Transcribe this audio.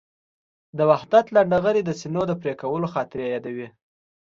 د وحدت لنډهغري د سینو د پرېکولو خاطرې یادوي.